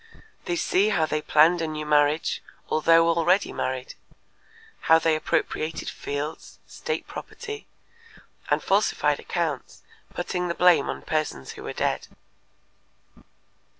They see how they planned a new marriage although already married, how they appropriated fields, state property, and falsified accounts, putting the blame on persons who were dead.